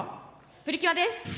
プリキュアです。